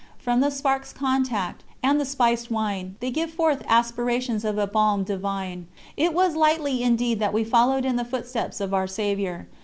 From the spark's contact, And the spicèd wine, They give forth aspirations of a balm divine. It was lightly indeed that we followed in the footsteps of Our Saviour.